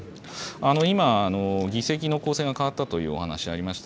今、議席の構成が変わったというお話ありました。